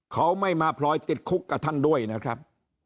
เขาไม่มาพลอยติดคุกกับท่านด้วยนะครับ